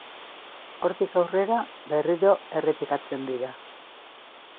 Hortik aurrera berriro errepikatzen dira.